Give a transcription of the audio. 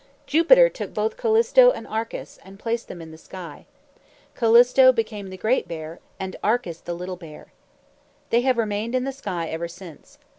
Jupiter took both Callisto and Arcas, and placed them in the sky. Callisto became the Great Bear, and Arcas the Little Bear. They have remained in the sky ever since.